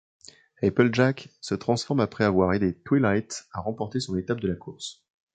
Applejack se transforme après avoir aidé Twilight à remporter son étape de la course.